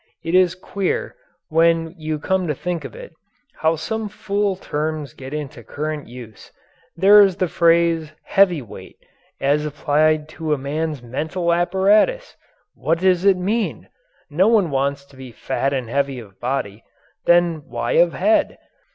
It is queer, when you come to think of it, how some fool terms get into current use. There is the phrase "heavyweight" as applied to a man's mental apparatus! What does it mean? No one wants to be fat and heavy of body then why of head?